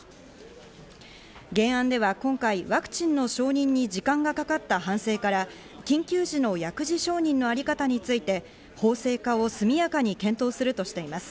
原案では今回ワクチンの承認に時間がかかった反省から、緊急時の薬事承認のあり方について、法制化を速やかに検討するとしています。